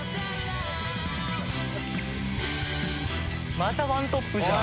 またワントップじゃん。